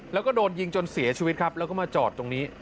แล้วก็โดนยิงจนเสียชีวิตครับแล้วก็มาจอดตรงนี้